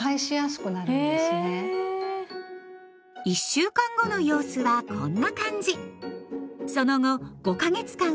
１週間後の様子はこんな感じ。